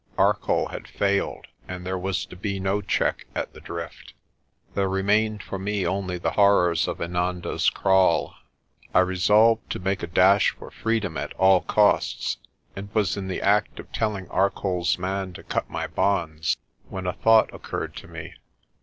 Arcoll had failed and there was to be no check at the drift. There remained for me only the horrors at Inanda's Kraal. I resolved to make a dash for freedom, at all costs, and was in the act of telling ArcolPs man to cut my bonds, when a thought occurred to me.